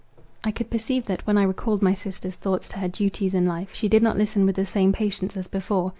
I could perceive that, when I recalled my sister's thoughts to her duties in life, she did not listen with the same patience as before.